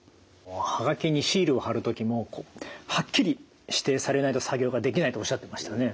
はがきにシールを貼る時もはっきり指定されないと作業ができないとおっしゃってましたよね。